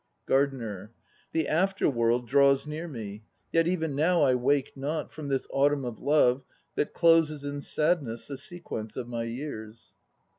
GARDENER. The after world draws near me, Yet even now I wake not From this autumn of love that closes In sadness the sequence of my years.